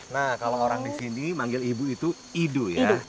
nah kalau orang di sini manggil ibu itu ido ya